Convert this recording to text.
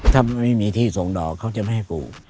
ถ้าไม่มีที่ส่งดอกเขาจะไม่ให้ปลูก